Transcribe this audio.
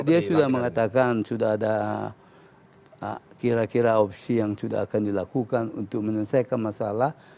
dia sudah mengatakan sudah ada kira kira opsi yang sudah akan dilakukan untuk menyelesaikan masalah